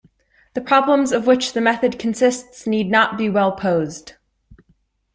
The problems of which the method consists need not be well-posed.